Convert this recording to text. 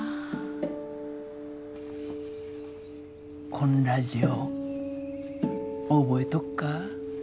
こんラジオ覚えとっか？